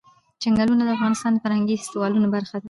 چنګلونه د افغانستان د فرهنګي فستیوالونو برخه ده.